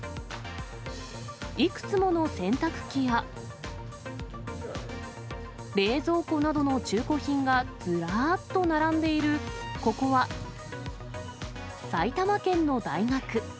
いくつもの洗濯機や、冷蔵庫などの中古品がずらっと並んでいるここは、埼玉県の大学。